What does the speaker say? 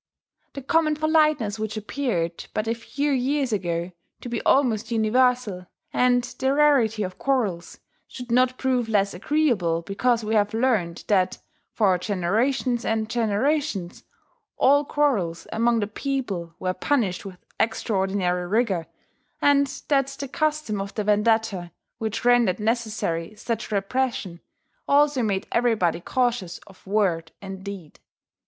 The common politeness which appeared, but a few years ago, to be almost universal, and the rarity of quarrels, should not prove less agreeable because we have learned that, for generations and generations, all quarrels among the people were punished with extraordinary rigour; and that the custom of the vendetta, which rendered necessary such repression, also made everybody cautious of word and deed.